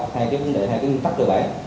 hai cái vấn đề hai cái pháp đề bản